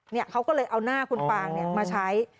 เนี่ยเขาก็เลยเอาหน้าคุณฟางเนี่ยมาใช้